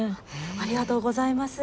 ありがとうございます。